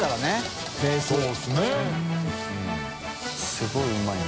すごいうまい。